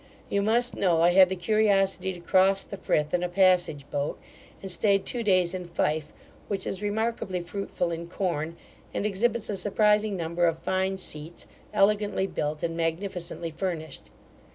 You must know, I had the curiosity to cross the Frith in a passage boat, and stayed two days in Fife, which is remarkably fruitful in corn, and exhibits a surprising number of fine seats, elegantly built, and magnificently furnished.